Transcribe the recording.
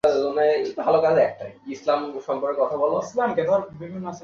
পরশু সেখানেই টেন্ডুলকার বলেছেন লতার গানই তাঁকে আবেগ নিয়ন্ত্রণে রাখতে সাহায্য করেছে।